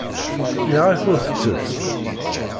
Nniɣ-ak ur tettett.